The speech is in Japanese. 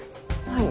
はい。